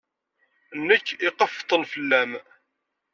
Nekk i iqeffṭen fell-am.